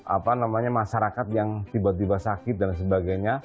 apa namanya masyarakat yang tiba tiba sakit dan sebagainya